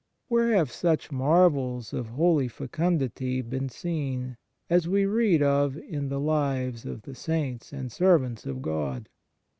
Where have such marvels of holy fecundity been seen as we read of in the lives of the Saints and Servants of God